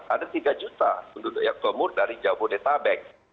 ada tiga juta penduduk yang komun dari jabodetabek